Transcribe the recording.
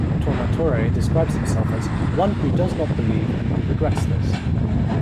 Tornatore describes himself as "one who does not believe and who regrets this".